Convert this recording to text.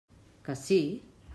Que sí.